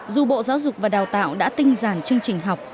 dù bộ giáo dục và đào tạo đã tinh giản chương trình học